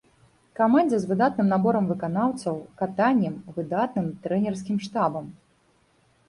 Камандзе з выдатным наборам выканаўцаў, катаннем, выдатным трэнерскі штабам.